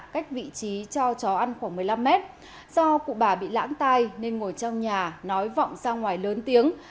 cách vị trí cho chó ăn khoảng một mươi năm mét do cụ bà bị lãng tai nên ngồi trong nhà nói vọng ra ngoài lớn tiếng